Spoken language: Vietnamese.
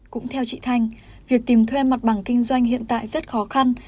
cũng theo chị thanh việc tìm thuê mặt bằng kinh doanh hiện tại rất khó khăn